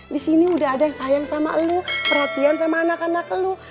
di sini udah ada yang sayang sama lu perhatian sama anak anak lu